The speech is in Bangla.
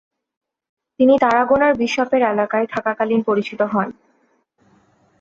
তিনি তারাগোনার বিশপের এলাকায় থাকাকালীন পরিচিত হন।